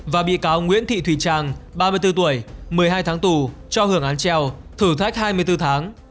và bị cáo nguyễn thị thùy trang ba mươi bốn tuổi một mươi hai tháng tù cho hưởng án treo thử thách hai mươi bốn tháng